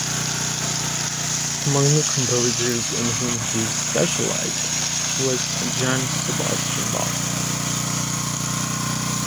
Among the composers in whom he specialised was Johann Sebastian Bach.